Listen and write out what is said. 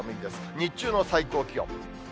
日中の最高気温。